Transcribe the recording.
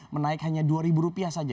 menaik hanya dua rupiah saja